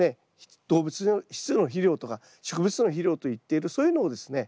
動物質の肥料とか植物質の肥料といっているそういうのをですね